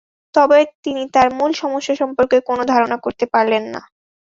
তবে তিনি তাঁর মূল সমস্যা সম্পর্কে কোনো ধারণা করতে পারলেন না।